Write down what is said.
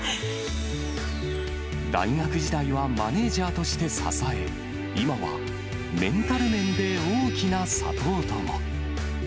大学時代はマネージャーとして支え、今はメンタル面で大きなサポートも。